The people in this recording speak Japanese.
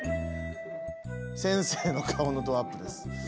先生の顔のドアップです。